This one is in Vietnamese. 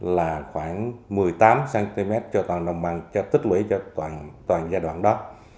là khoảng một mươi tám cm cho toàn đồng bằng cho tích lũy cho toàn giai đoạn đó